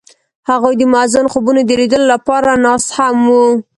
هغوی د موزون خوبونو د لیدلو لپاره ناست هم وو.